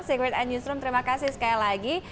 secret and newsroom terima kasih sekali lagi